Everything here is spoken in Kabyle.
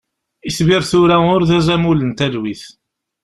Itbir tura ur d azamul n talwit.